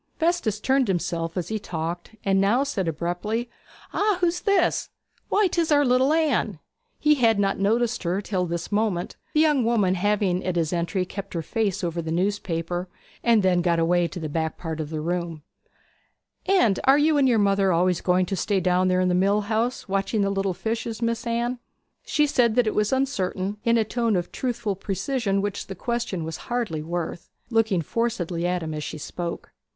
Festus turned himself as he talked, and now said abruptly: 'Ah, who's this? Why, 'tis our little Anne!' He had not noticed her till this moment, the young woman having at his entry kept her face over the newspaper, and then got away to the back part of the room. 'And are you and your mother always going to stay down there in the mill house watching the little fishes, Miss Anne?' She said that it was uncertain, in a tone of truthful precision which the question was hardly worth, looking forcedly at him as she spoke.